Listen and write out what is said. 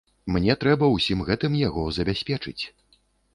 Мне трэба ўсім гэтым яго забяспечыць.